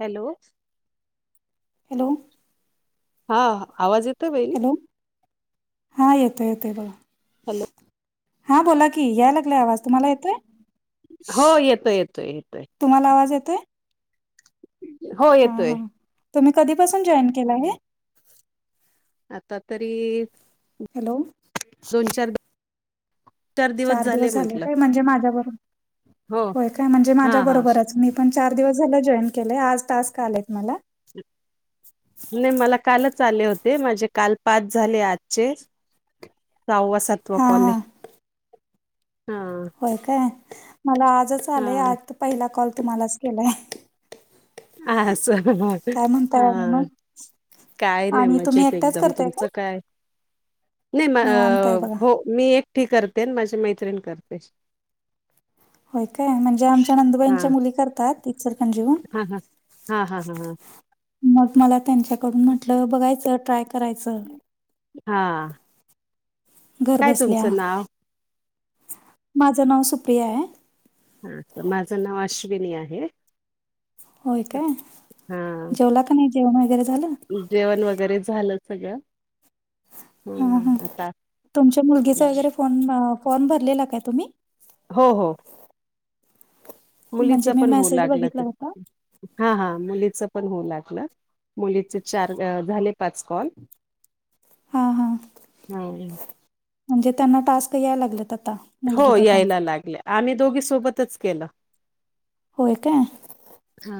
Hello. Hello. हा आवाज येतो बा हॅलो हा येतोय येतोय बघा. हॅलो. हा बोला की याय लागलाय आवाज तुम्हाला येतोय? हो येतोय येतोय येतोय तुम्हाला आवाज येतोय हो हा येतोय हा तुम्ही कधीपासून जॉईन केला हा आहे आता तरी हॅलो दोन चार चार दिवस झाले काय म्हणजे माझ्या बरोबर हो होय काय म्हणजे हा माझ्या हा बरोबरच मी आपण चार दिवस झाला जॉईन केलेय आज तास का आलेत मला हम नाही मला कालच आले होते माझे काल पाच झाले आजचे सवसत्व हा कोले हा हा होय काय मला आजच आलंय आज पहिला कॉल तुम्हालाच केलाय ह स काय म्हणताय हा आणि मग काय नाही आणि म्हजे तुम्ही एक एकटाच एकदम करताय तुमचं काय नाही म निवांत आहे बघा हो मी एकठीी करते माझी मैत्रिणी करतेस होय काय म्हणजे आमच्या हा नंदुबाईंच्या मुली करतात तसारखान जीवन हा हा हा हा हा मग मला त्यांच्याकडून म्हटलं बघायचं ट्राय करायचं हा घर काय बसल्या तुमचं नाव माझं नाव सुप्रिया आहे हा तर माझं नाव अश्विनी आहे होय काय हा जेवला का नाही जेवण वगैरे झालं जेवण वगैरे झालं सगळं हां हां हम्म आता तुमच्या मुलगीचा वगैरे फोन फॉर्म भरलेला काय तुम्ही हो हो मुलीच म्हणजे मी पण होऊ मेसेज लागलं बघितला तर होता हा हा मुलीच पण होऊ लागलं मुलीचे चार झाले पाच कॉल हां हां हम म्हणजे त्यांना टास्क याय लागलेत आता हो मुलगीला पण यायला लागले आम्ही दोघी सोबतच केलं होय काय हा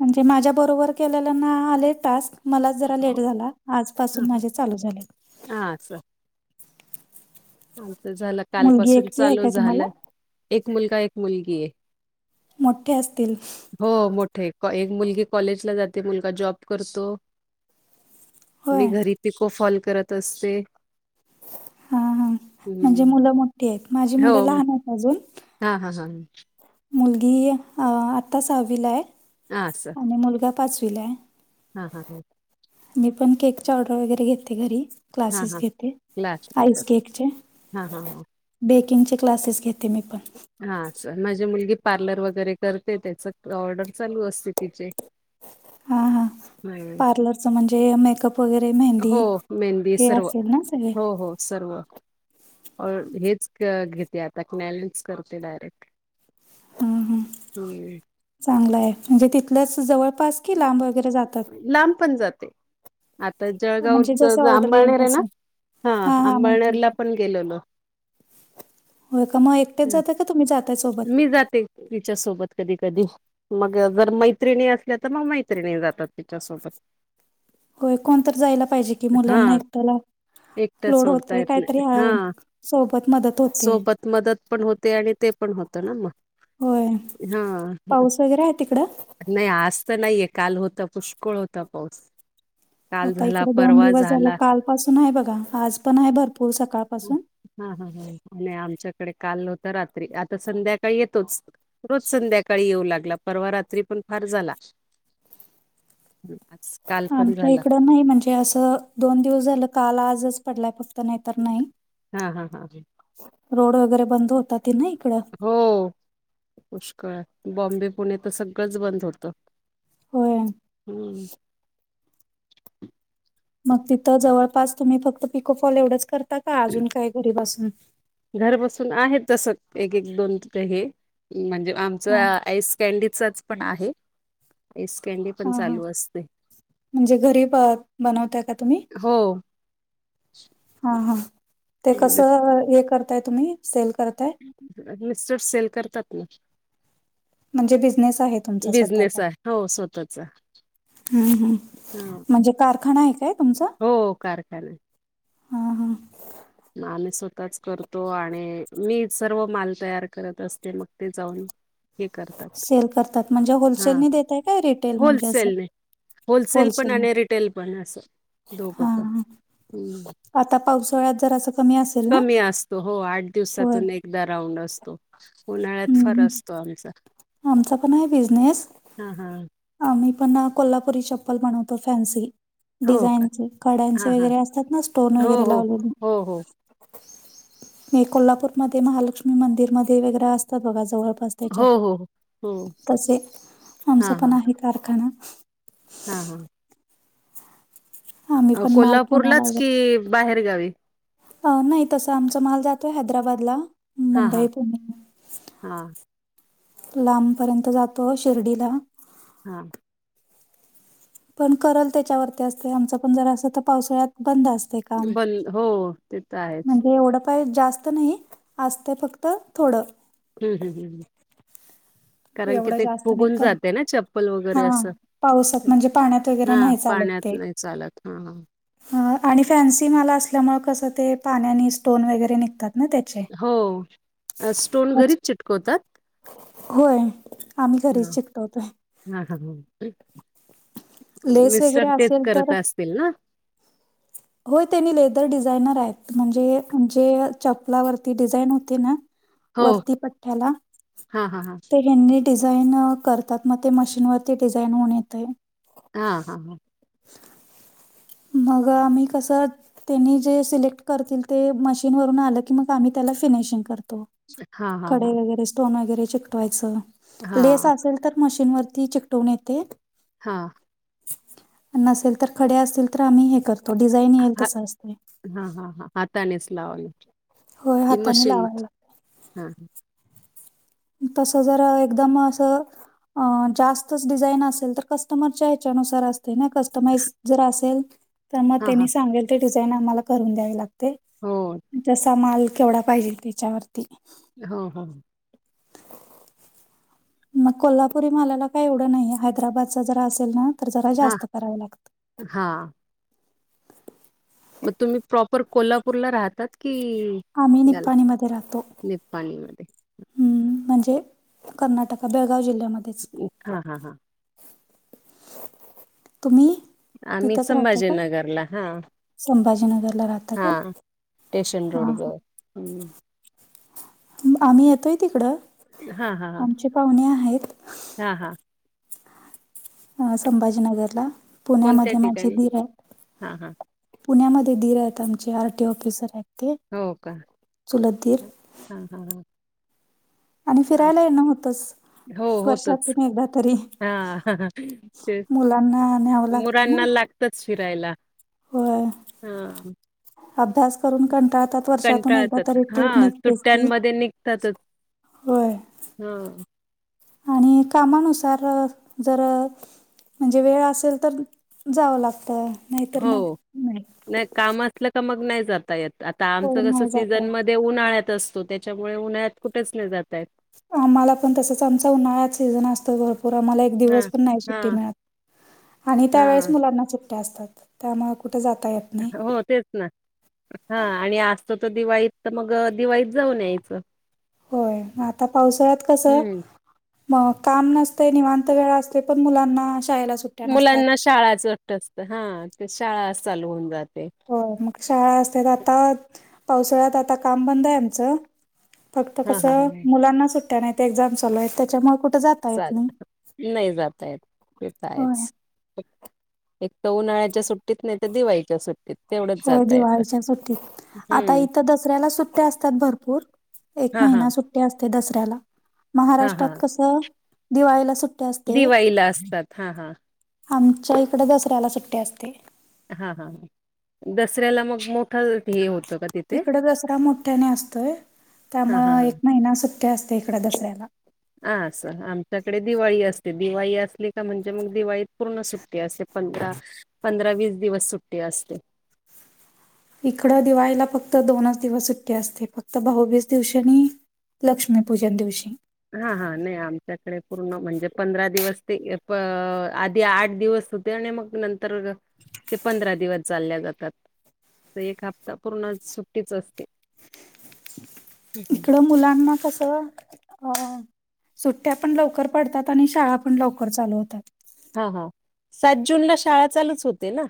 म्हणजे माझ्या बरोबर केलेल्यांना आले टास्क मला जरा हो, लेट झाला हा, आजपासून हा. माझे चालू झाले हा स आलत झालं काल मुलगी पासून एकटी आहे चालू काय तुम्हाला झालं एक मुलगा एक मुलगी आहे मोठे असतील हो मोठे एक मुलगी कॉलेजला जाते मुलगा जॉब करतो मी होय घरी तिको फॉल करत असते हा हा म्हणजे हम्म मुलं मोठी आहेत माझी मुलं लहान आहेत अजून हा हा हा ह मुलगी आत्ताच हहावी ला आहे हा सर आणि मुलगा पाचवीला आहे हा हा हा मी पण केकचा ऑर्डर वगैरे घेते घरी हां, क्लासेस हां. घेते क्लास आईस घेतात. केकचे हां, हां, हां. बेकिंगचे क्लासेस घेते मी पण हा स माझी मुलगी पार्लर वगैरे करते त्याच ऑर्डर चालू असते तिचे हा हा हं. पार्लरच म्हणजे मेकअप पैरे म हो मेहंदी सर्व हो हो सर्व हेच घेते आता क्ॅलच करते डायरेक्ट ह हां हम् चांगला आहे म्हणजे तिथलंच जवळपास की लांब वगैरे जातात लांब पण जाते आता म्हणजे जळगावच जसं ऑर्डर येईल आंबाळनेर आहे ना तसं हा हां हां आंबाळनेरला पण गेलेलो हो का मग एकट्याच जातय का तुम्ही जाताय सोबत प्रे तिच्या सोबत कधी कधी मग जर मैत्रिणी अस आता मग मैत्रिणी जातात तिच्यासोबत होय कोणत जायला पाहिजे कि मुलांना ऐकताला एकटा सोडताय आपल्या हा सोबत मदत होते. सोबत मदत पण होते आणि ते पण होतं ना मग होय हा हा. पाऊस वगैरे आहे तिकडं नाही आज तर नाहीये काल होत पुष्कळ होता पाऊस काल आता झाला इकडे दोन परवा दिवस झालं झाला काल पासून आहे बघा आज पण आहे भरपूर सकाळ हा हा ह आणि आमच्याकडे काल नत रात्री आता संध्याकाळी येतोच रोज संध्याकाळी येऊ लागला परवा रात्री पण फार झाला आज काल पण आमच्या झाला इकडं नाही म्हणजे असं दोन दिवस झालं काल आजच पडलाक्त नाही तर नाही हा हा हा रोड वगैरे बंद होतातात ना इकड हो पुष्कळ आहे बॉम्बे पुणे तर सगळंच बंद होतं होय. हम्म मग तिथं जवळपास तुम्ही फक्त पिकोफॉल एवढंच करता का अजून काय घरीपासून घर बसून आहे तस एक एक दोन हे म्हणजे आमच हा आईस कॅनडीचच पण आहे आईस कॅडी हा हा म्हणजे घरी बनवताय का तुम्ही हो हा हा ते कस हे करताय तुम्ही सेल करताय? मिस्टर सेल करतात ना म्हणजे बिझनेस आहे तुमचा स्वतःचा बिझनेस आहे हो स्वतःचा हम्म हम्म हा. म्हणजे कारखाना आहे काय तुमचा हो कारखाना ह हां. मग आम्ही स्वतःच करतो आणि मी सर्व माल तयार करत असते मग ते जाऊन. हे कर. सेल करतात म्हणजे होलसेल देतय काय रिटेल म्हणजे असं होलसेलने होलसेल पण होलसेलने आणि रिटेल पण असं दोघं हा पण हा. आता पावसाळ्यात जर असं कमी असे कमी असतो हो आठ दिवसातून एकदा राऊंड असतो उन्हाळ्यात हम्म फार हम्म. असतो आमचा आमचा पण आहे बिझनेस हां हां आ मी पण ना कोल्हापुरी चप्पल बनवतो फॅन्सी हो का? डिझाईनचे हां कड्यांचे हां वगैरे असतात ना स्टोन हो वगैरे हो लावलेले हो हो म कोल्हापूरमध्येध्ये महालक्ष्मी मंदिरमध्येध्ये वेगरं असतात बघा जवळ हो हो हो तसे आमच पण आहे कारखाना हा हा. आम्ही अ पण माल पुण्याला कोल्हापूरलाच वगैरे की बाहेरगावी. अ नाही तस आमचा माल जातोय हैदराबादला. हा मुंबई, हा पुणे हा. लांबपर्यंत जातो शिर्डीला. हा. पण करल त्याच्यावरती असते आमच पण जरा असं तर पावसाळ्यात बंद असते. बंद हो ते तर आहेच. म्हणजे एढ. उपाय जास्त नाही असते फक्त थोडं. हम् हम् हम हम. ह. एवढं जास्त नाही फुगून कर जाते ना चप्पल वगैरे हा असं पावसात म्हणजे पाण्यात वगैरे हां नाही चालत पाण्यात ते. नाही चालत हा हा. आणि फॅन्सी माला असल्यामुळे कसं ते पाण्या स्टोन वगैरे निघतात ना त्या. हो स्टोन अच्छा. घरीच चिटकवतात. होय आम्ही घरीच चिकटवतोय. ह लेस वगैरे मिस्टर तेच असेल तर करत असतील ना. होय त्यांनी लेदर डिझायनर आहेत म्हणजे जे चपलावरती डिझाईन होते ना. हो. वरती पट्याला. हां, हां, हां. हनी डिझाईन करतात मग ते मशीन वरती डिझाईन होऊन येते. हा हा हा. मग आम्ही कस. त्यांनी जे सिलेक्ट करतील ते मशीनवरून आलं की मग आम्ही त्याला फिनिशिंग करतो. हां, हां, कडे हां. वगैरे स्टोन वगैरे चिकटवायचं हां, लेस हां. असेल तर. मशीन वरती चिकटवून येते. हा. नसेल तर खडे असतील तर आम्ही हे करतो डिझाईन येईल हां, तस असतंय. हां हां हां हातानेच लावाला होय की हाताने मशीन लावायला हां हां. तसजरा एकद मसं. जास्तच डिझाईन असेल तर कस्टमरच्या ह्याच्यानुसार असते ना कस्टमाइज जर असेल. तर मग हां, त्यांनी हां. सांगल ते डिझाईन आम्हाला करून द्यावी लागते. हो, जसा माल केवढा पाहिजे त्याच्यावरती. हो हो. मग कोल्हापुरी मला काही एवढं नाही हैदराबादच जरा असेल ना तर जरा जास्त करावे लागत. हा. मग तुम्ही प्रॉपर कोल्हापूरला राहतात की. आम्ही निपाणीमध्येध्ये राहतो. निपपाणीमध्येध्ये. हम्म म्हणजे कर्नाटक बेळगाव जिल्ह्यामध्येच हा हा हा. तुम्ही आम्ही तिथंच राहता काय संभाजीनगरला. हां, संभाजीनगरला राहता काय. हां. स्टेशन रोड हां ग हां हम्म. आम्ही येतोय तिकडं. हा हा हा. आमचे पाहुणे आहेत. हा हा. अ संभाजीनगरला कोणत्या पुण्यामध्ये ठिकाणी? माझे ीर आहेत. हां, हां. पुण्यामध्ये धर आहेत आमचे आरटी ऑफिसर आहेत. ते, हो का चुलत दीर ह ह ह आणि फिरायला येणं होतंच. हो होतच वर्षातून एकदा तरी हा ते मुलांना न्यावं लागतं ना. मुरांना लाग. तच फिरायला होय. हा. अभ्यास करून कंटाळतात. वर्षातून एकदा कंटाळतात. तरी ट्रिप हां. निघतेच की, सुट्ट्यांमध्ये होय. हा आणि कामानुसार अ जर म्हणजे वेळ असेल तर, जावं लागतं, नाहीतर मग हो. नाही. नाही काम असलं का मग नाही जात येत, आता हो आमचं कसं नाही जाता सीझन येत. म ते उन्हाळ्यात असतो, त्याच्यामुळे उन्हाळ्यात कुठेच नाही जाता येत. आम्हाला पण तसच, आमचा उन्हाळ्यात सीझन असतो भर पुरा मला एक दिवस हां. पण नाही सुट्टी हां. मिळत, आणि हां. त्यावेळेस मुलांना सु त्या असतात त्यामुळे कुठे जाता येत नाही हो तेच ना. हा, आणि असतो तर दिवाळीत तर मग दिवाळीत जाऊन यायचं. होय, पण आता पावसाळ्यात कसं हं. मग काम नसते निवांत वेळा असते पण मुलांना शाळेला सुट मुलांना शाळाच [unintelligible] असत हा, ते शाळाच चालू होऊन जाते. होय, मग शाळा असतेत, आता पावसाळ्यात आता काम बंद आहे आमचं. फक्त हां, हां, कसं हां. मुलांना सुट्ट्या नाहीत, एक्झाम चालू आहेत त्याच्यामुळे कुठे जात चाल, नाही जाता येत, ते तर होय आहेच. एक तर उन्हाळ्याच्या सुट्टीत नाही तर दिवाळीच्या सुट्टीत. तेवढंच होय जाता येतं दिवाळीच्या सुट्टीत, आता हम्म. इथं दसऱ्याला सुट्ट्या असतात भरपूर. एक हा हा महिना सुट्टी असते दसऱ्याला, हा हा महाराष्ट्रात कसं दिवाळीला सुट्टी असते. दिवाळीला असतात हा हा आमच्या इकडे दसऱ्याला सुट्टी असते. हा हा, दसऱ्याला मग मो इकडं दसरा मोठ्याने असतोय, हा हा त्यामुळं हा एक महिना सु ते असते इकडं दसऱ्याला. हा असं, आमच्याकडे दिवाळी असते, दिवाळी असली का म्हणजे मग दिवाळीत पूर्ण सुट्टी असे पंधरा पंधरा वीस दिवस सुट्टी असते. इकडं दिवाळीला फक्त दोनच दिवस सुट्टी असते, फक्त भाऊबीज दिवशी नि लक्ष्मी पूजन दिवशी हा हा, नाही आमच्याकडे पूर्ण म्हणजे पंधरा दिवस ते आधी आठ दिवस सु ते आणि मग नंतर ते पंधरा दिवस चालल्या जातात. त एक हप्ता पूर्ण सुट्टीच असते. [inaudible] हम्म हम्म इकडं मुलांना कसं अ सुट्ट्या पण लवकर पडतात आणि शाळा पण लवकर चालू होतात. हा हा, सात जून ला शाळा चालूच होते ना?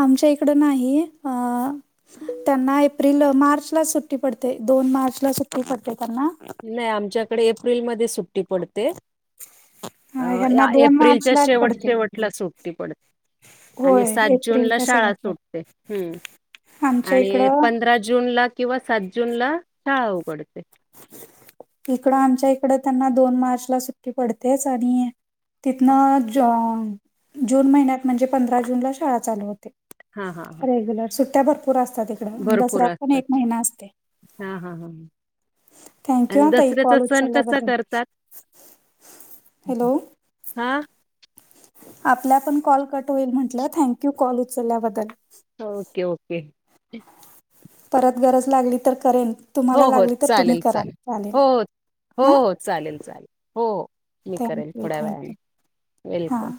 आमच्या इकडं नाही. अ त्यांना एप्रिल अ मार्चलाच सुट्टी पडते, दोन मार्चला सुट्टी पडते त्यांना. नाही आमच्याकडे एप्रिलमध्येच सुट्टी पडते. ह्यांना अ दोन एप्रिलच्या मार्चलाच शेवट पडते. शेवटला सुट्टी पडते. आणि होय सात जून ला एप्रिलच्या शाळा शेवटला. सुटते, हम्म. आमच्या आणि इकडं पंधरा जून ला किंवा सात जून ला शाळा उघडते. इकडं आमच्या इकडं त्यांना दोन मार्च ला सुट्टी पडतेच आणि तिथनं जो जुन महिन्यात म्हणजे पंधरा जूनला शाळा चालू होते. हा हा हा रेग्युलर, सुट्ट्या भरपूर असतात इकडं, आणि भरपूर दसऱ्यात पण एक असतात महिना असते. हा हा हा ह थँक्यू आणि हा ताई दसऱ्याचा कॉल सण कसा उचलल्याबद्दल. करतात? हॅलो हा आपल्या आपण कॉल कट होईल म्हटलं, थँक यू कॉल उचलल्याबद्दल. ओके ओके परत गरज लागली तर करेन हो तुम्हाला हो लागली तर तुम्ही चालेल करा चालेल हो हो हो हां हो चालेल चालेल हो मी करेन थँक्यू थोड्या वेळाने थँक्यू हां वेलकम